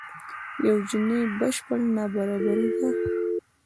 یو جیني بشپړ نابرابري ده.